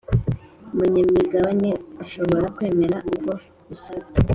Umunyamigabane ashobora kwemera ubwo busabe